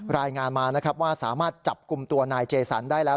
รายงานมานะครับว่าสามารถจับกลุ่มตัวนายเจสันได้แล้ว